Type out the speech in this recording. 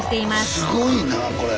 すごいなこれ。